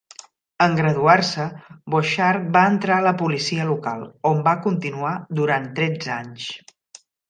En graduar-se, Bouchard va entrar a la policia local, on va continuar durant tretze anys.